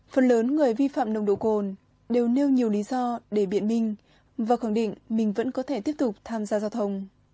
phần lớn người vi phạm nồng độ cồn đều nêu nhiều lý do để biện minh và khẳng định mình vẫn có thể tiếp tục tham gia giao thông